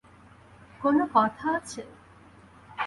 কোনো কথা আছে?